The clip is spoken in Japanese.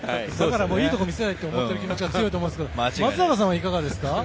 いいところを見せないとという気持ちが大きいと思うんですけど松坂さんはいかがですか？